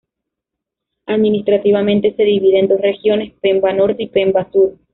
Administrativamente se divide en dos regiones: Pemba Norte y Pemba Sur.